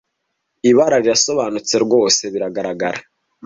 ibara rirasobanutse rwose biragaragara